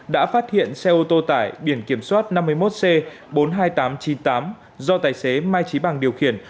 đã phát hiện xe ô tô tải biển kiểm soát năm mươi một c bốn mươi hai nghìn tám trăm chín mươi tám do tài xế mai trí bằng điều khiển